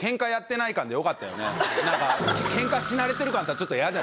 なんかケンカし慣れてる感あったらちょっと嫌じゃない？